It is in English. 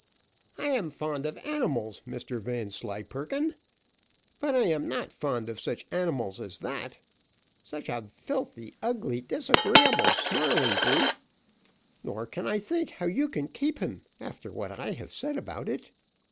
"I am fond of animals, Mr Vanslyperken, but I am not fond of such animals as that such a filthy, ugly, disagreeable, snarling brute; nor can I think how you can keep him after what I have said about it.